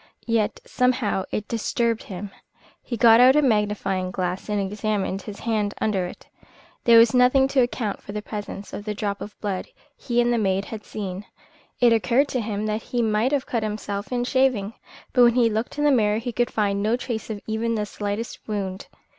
Yet somehow it disturbed him. He got out a magnifying glass and examined his hand under it. There was nothing to account for the presence of the drop of blood he and the maid had seen. It occurred to him that he might have cut himself in shaving; but when he looked in the mirror he could find no trace of even the slightest wound.